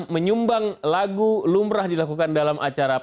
menyumbang lagu lumrah dilakukan dalam acara